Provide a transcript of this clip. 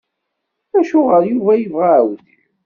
Acuɣer Yuba yebɣa aɛudiw?